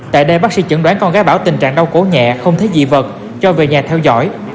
tại đây bác sĩ chẩn đoán con gái bảo tình trạng đau cổ nhẹ không thấy dị vật cho về nhà theo dõi